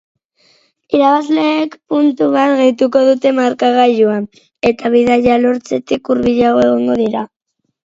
Irabazleek puntu bat gehituko dute markagailuan, eta bidaia lortzetik hurbilago egongo dira.